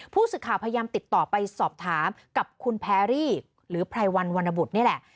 ผู้สื่อข่าวพยายามติดต่อไปสอบถามกับคุณแพรรี่หรือไพรวันวรรณบุตรนี่แหละ